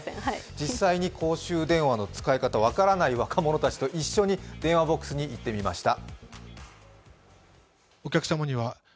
実際に公衆電話の使い方、分からない若者たちと電話ボックスに行ってみました。